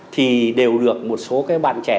thì đều được một số cái bạn trẻ